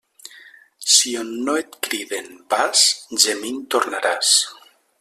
Si on no et criden vas, gemint tornaràs.